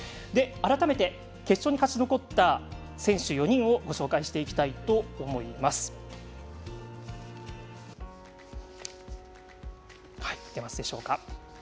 改めて決勝に勝ち残った選手４人をご紹介していきたいと思います。